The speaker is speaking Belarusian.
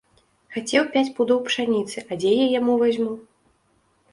Хацеў пяць пудоў пшаніцы, а дзе я яму вазьму.